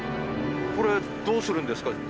これどうするんですか？